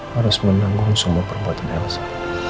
harus menanggung semua perbuatan elsa